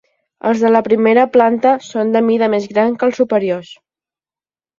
Els de la primera planta són de mida més gran que els superiors.